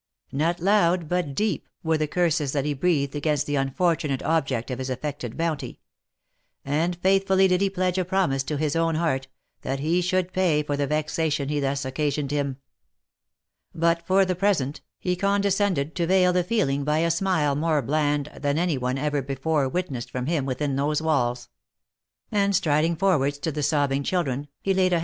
" Not loud, but deep," were the curses that he breathed against the unfortunate object of his affected bounty ; and faithfully did he pledge a promise to his own heart, that he should pay for the vexation he thus occasioned him. But for the present, he conde I /rs'f awtf/Mteuy ^ 4*t& ■ mr OF MICHAEL ARMSTRONG. 83 scended to veil the feeling by a smile more bland than anyone ever before witnessedfrom him within those walls ; and striding forwards to the sobbing children, he laid a.